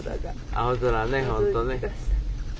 青空ね、本当ね。